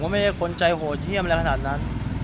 ผมก็ไม่ได้คนใจโหดเชี่ยวอะไรขนาดนั้น